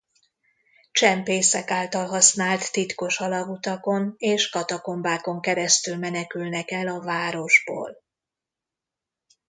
Csempészek által használt titkos alagutakon és katakombákon keresztül menekülnek el a városból.